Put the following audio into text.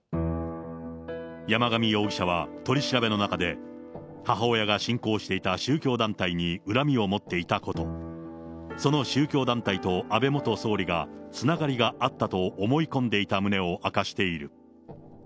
山上容疑者は取り調べの中で、母親が信仰していた宗教団体に恨みを持っていたこと、その宗教団体と安倍元総理がつながりがあったと思い込んでいた旨を明かしている。